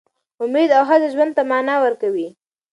امید او هڅه ژوند ته مانا ورکوي.